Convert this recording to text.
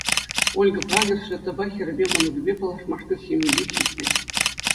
Ольга Прагер Светӑпа, хӗрӗпе, мӑнукӗпе паллашмашкӑн ҫемйипех ҫитнӗ.